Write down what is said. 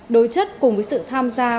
đối chất cùng với sự tham gia